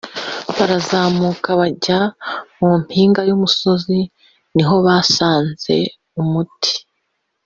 barazamuka bajya mu mpinga y’umusozi niho basanze umuti